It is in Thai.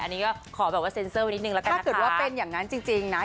อันนี้ก็ขอแบบว่าเซ็นเซอร์ไว้นิดนึงละกันถ้าเกิดว่าเป็นอย่างนั้นจริงนะ